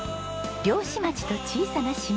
漁師町と小さな島。